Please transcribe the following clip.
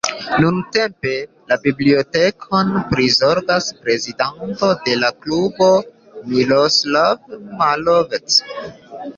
Nuntempe la bibliotekon prizorgas prezidanto de la klubo Miroslav Malovec.